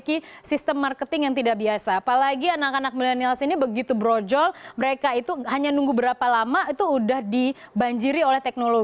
tapi sistem marketing yang tidak biasa apalagi anak anak milenial sini begitu brojol mereka itu hanya nunggu berapa lama itu udah dibanjiri oleh teknologi